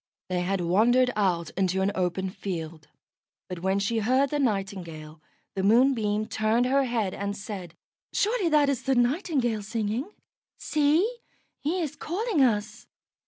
They had wandered out into an open field, but when she heard the Nightingale, the Moonbeam turned her head and said: "Surely that is the Nightingale singing. See! he is calling us."